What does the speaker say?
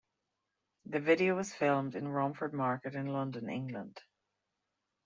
The video was filmed in Romford Market in London, England.